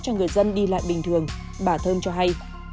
cho người dân đi lại bình thường bà thơm cho hay